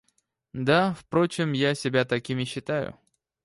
Да, впрочем, я себя таким и считаю.